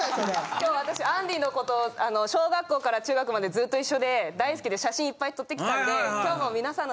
今日私あんりのことを小学校から中学までずっと一緒で大好きで写真いっぱい撮ってきたんで今日も。